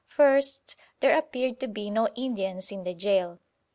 First, there appeared to be no Indians in the gaol.